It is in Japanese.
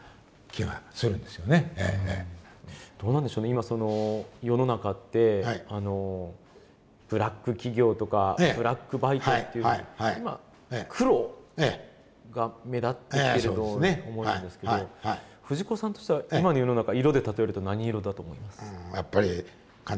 今その世の中ってあのブラック企業とかブラックバイトっていう今黒が目立ってきてると思うんですけど藤子さんとしては今の世の中色で例えると何色だと思います？